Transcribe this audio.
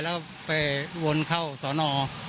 แล้วโวนเข้าสรน